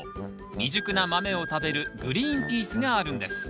未熟な豆を食べるグリーンピースがあるんです。